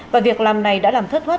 và việc làm này đã làm thất thoát